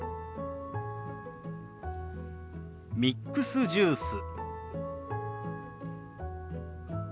「ミックスジュース」。